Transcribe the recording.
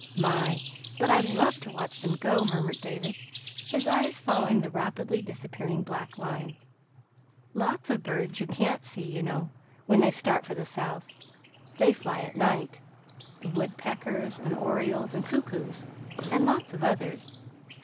"My! but I love to watch them go," murmured David, his eyes following the rapidly disappearing blackline. "Lots of birds you can't see, you know, when they start for the South. They fly at night the woodpeckers and orioles and cuckoos, and lots of others.